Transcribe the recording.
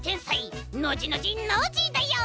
ノジノジノージーだよ！